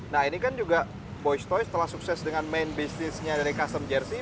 nah ini kan juga boy's toys telah sukses dengan main bisnisnya dari custom jersey